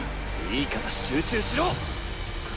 いいから集中しろ！